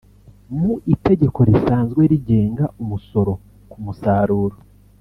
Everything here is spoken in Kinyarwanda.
Mu itegeko risanzwe rigenga umusoro ku musaruro